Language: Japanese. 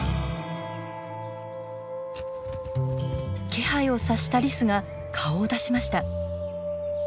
気配を察したリスが顔を出しました。